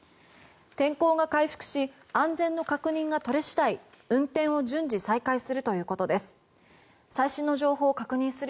天候が回復し安全の確認が取れ次第運転を順次、再開するということです。